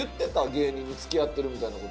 芸人に付き合ってるみたいな事。